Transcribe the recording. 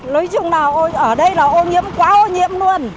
nói chung là ở đây là ô nhiễm quá ô nhiễm luôn